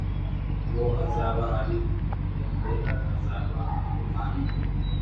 uwo azaba ari umubembe azaba ahumanye